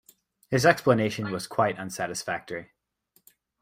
His explanation was quite unsatisfactory.